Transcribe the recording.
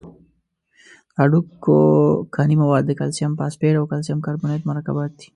د هډوکو کاني مواد د کلسیم فاسفیټ او کلسیم کاربونیت مرکبات دي.